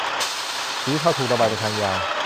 สีเทาถูกระบายเป็นทางยาว